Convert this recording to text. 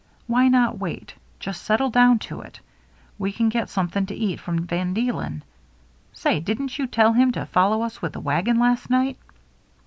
Why not wait — just settle down to it. We can get something to eat from Van Deelen. Say, didn't you tell him to follow us with the wagon last night